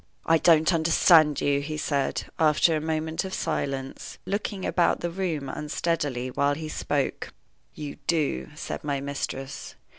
"I don't understand you," he said, after a moment of silence, looking about the room unsteadily while he spoke. "You do," said my mistress.